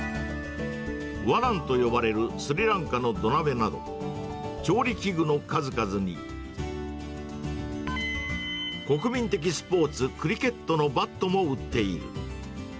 ワランと呼ばれるスリランカの土鍋など、調理器具の数々に、国民的スポーツ、クリケットのバットも売っている。